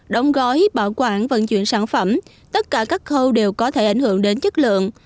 đóng gói bảo quản vận chuyển sản phẩm tất cả các khâu đều có thể ảnh hưởng đến chất lượng